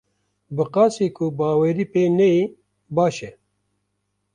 Bi qasî ku bawerî pê neyê baş e.